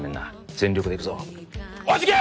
全力でいくぞおしいけ！